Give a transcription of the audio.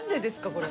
これ。